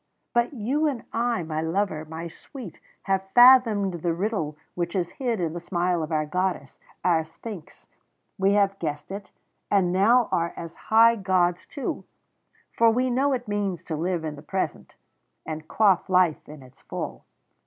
_ But you and I, my lover, my sweet, have fathomed the riddle which is hid in the smile of our goddess, our Sphinx we have guessed it, and now are as high gods too. For we know it means to live in the present, and quaff life in its full.